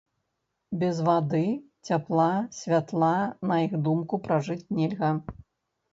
Без вады, цяпла, святла, на іх думку, пражыць нельга.